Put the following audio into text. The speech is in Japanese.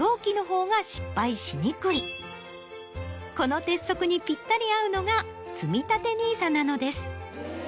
この鉄則にぴったり合うのがつみたてＮＩＳＡなのです。